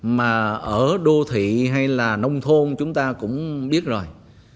mà ở đô thị hay là nông thôn chúng ta cũng biết rồi